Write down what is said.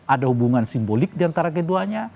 ada hubungan simbolik diantara keduanya